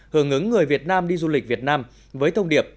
hưởng ứng người việt nam đi du lịch việt nam với thông điệp